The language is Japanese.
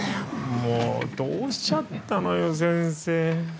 もうどうしちゃったのよ先生。